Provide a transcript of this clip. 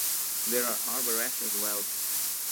There are Arbereshe as well.